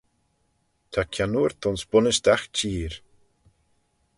Ta kiannoort ayns bunnys dagh çheer.